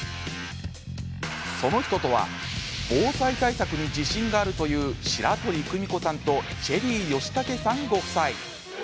その人とは防災対策に自信があるという白鳥久美子さんとチェリー吉武さんご夫妻。